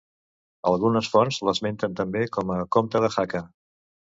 Algunes fonts l'esmenten també com a comte de Jaca.